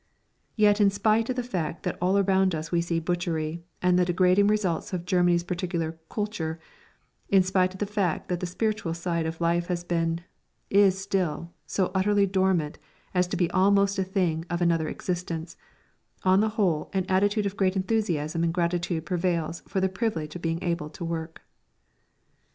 Yet in spite of the fact that all around us we see butchery and the degrading results of Germany's peculiar kultur, in spite of the fact that the spiritual side of life has been is still so utterly dormant as to be almost a thing of another existence, on the whole an attitude of great enthusiasm and gratitude prevails for the privilege of being able to work.